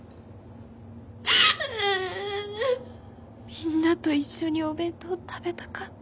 みんなと一緒にお弁当食べたかった。